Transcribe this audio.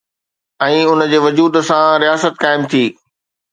۽ ان جي وجود سان رياست قائم ٿي.